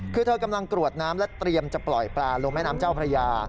คือเธอกำลังกรวดน้ำและเตรียมจะปล่อยปลาลงแม่น้ำเจ้าพระยา